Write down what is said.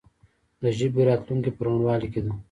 د ژبې راتلونکې په روڼوالي کې ده.